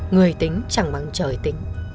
người tính chẳng bằng trời tính